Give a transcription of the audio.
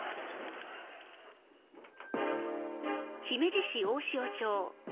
姫路市大塩町。